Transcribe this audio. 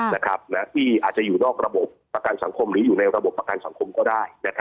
ที่อาจจะอยู่นอกระบบประกันสังคมหรืออยู่ในระบบประกันสังคมก็ได้